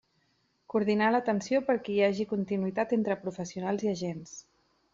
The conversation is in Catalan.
Coordinar l'atenció perquè hi haja continuïtat entre professionals i agents.